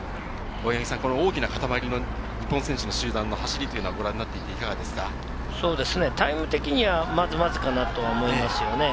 大きなかたまりの日本選手の集団の走りは、ご覧になっていかがでタイム的にはまずまずかなと思いますね。